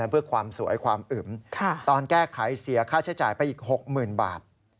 เพื่อความสวยความอึมตอนแก้ไขเสียค่าใช้จ่ายไปอีก๖๐๐๐บาท